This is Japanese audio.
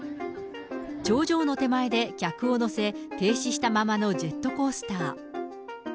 頂上の手前で客を乗せ、停止したままのジェットコースター。